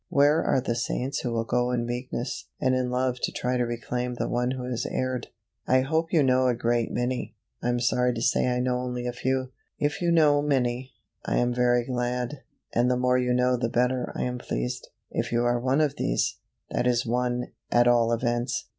Where are the saints who will go in meekness and in love to try to reclaim the one who has erred? I hope you know a great many. I am sorry to say I know only a few. If you know many, I am very glad, and the more you know the better I am pleased. If you are one of these, that is one, at all events.